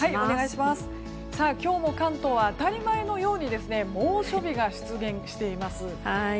今日も関東は当たり前のように猛暑日が出現しています。